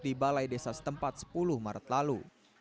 di balai desa setempat sepuluh maret lalu